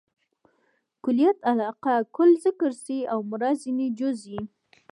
کلیت علاقه؛ کل ذکر سي او مراد ځني جز يي.